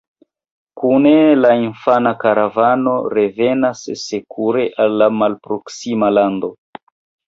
Kune la infana karavano revenas sekure al la malproksima lando.